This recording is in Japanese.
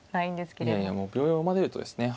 いやいやもう秒読まれるとですね